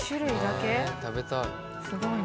食べたい。